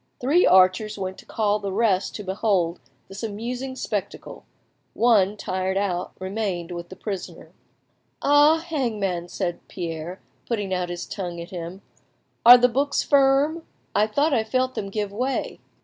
Three archers went to call the rest to behold this amusing spectacle; one, tired out, remained with the prisoner. "Ah, Hangman," said Pierre, putting out his tongue at him, "are the books firm? I thought I felt them give way."